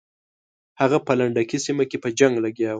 هغه په لنډکي سیمه کې په جنګ لګیا وو.